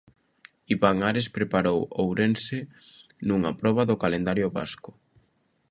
Iván Ares preparou Ourense nunha proba do calendario vasco.